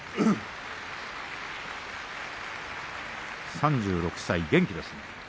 ３６歳、元気ですね。